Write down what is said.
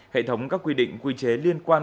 hệ thống các quy định quy chế liên quan